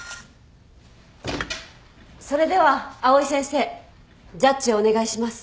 それでは藍井先生ジャッジをお願いします。